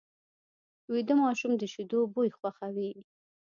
ویده ماشوم د شیدو بوی خوښوي